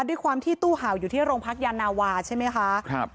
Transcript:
ด้วยความที่ตู้เห่าอยู่ที่โรงพักยานาวาใช่ไหมคะ